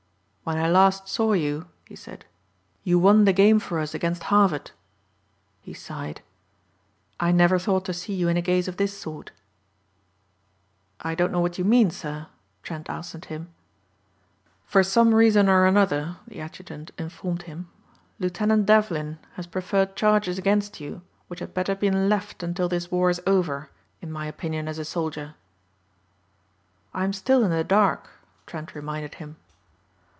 "When I last saw you," he said, "you won the game for us against Harvard." He sighed, "I never thought to see you in a case of this sort." "I don't know what you mean, sir," Trent answered him. "For some reason or another," the adjutant informed him, "Lieutenant Devlin has preferred charges against you which had better been left until this war is over in my opinion as a soldier." "I am still in the dark," Trent reminded him.